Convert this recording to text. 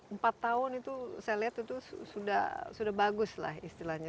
empat tahun itu saya lihat itu sudah bagus lah istilahnya